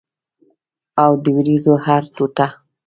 او د اوریځو هره ټوټه